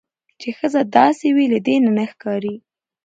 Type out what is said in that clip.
چې ښځه داسې وي. له دې نه ښکاري